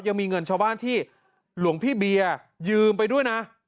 ยังมีเงินชาวบ้านที่หลวงพี่เบียร์ยืมไปด้วยนะ